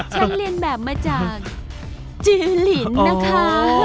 ฉันเรียนแบบมาจากจือลินนะคะ